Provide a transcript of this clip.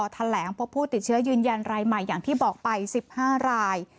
แถลงพบผู้ติดเชื้อยืนยันรายใหม่อย่างที่บอกไป๑๕ราย